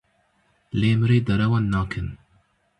Lê mirî derewan nakin.